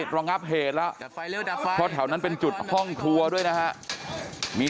ระงับเหตุแล้วเพราะแถวนั้นเป็นจุดห้องครัวด้วยนะฮะมี